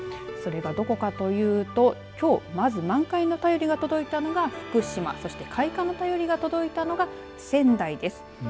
それがどこかというときょう、まず満開の便りが届いたのが福島そして開花の便りが届いたのが仙台です。